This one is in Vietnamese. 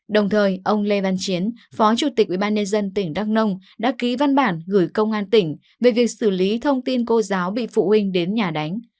đồng thời ông lê văn chiến phó chủ tịch ubnd tỉnh đắk nông đã ký văn bản gửi công an tỉnh về việc xử lý thông tin cô giáo bị phụ huynh đến nhà đánh